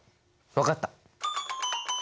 分かった。